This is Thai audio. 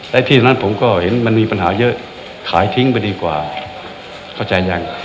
และที่นั้นผมก็เห็นมันมีปัญหาเยอะขายทิ้งไปดีกว่าเข้าใจยัง